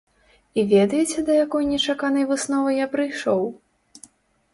І ведаеце, да якой нечаканай высновы я прыйшоў?